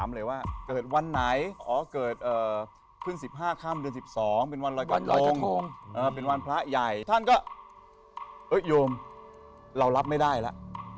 เฮ้ยโยมเรารับไม่ได้ล่ะ